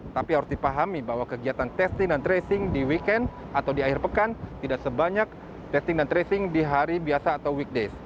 tapi harus dipahami bahwa kegiatan testing dan tracing di weekend atau di akhir pekan tidak sebanyak testing dan tracing di hari biasa atau weekdays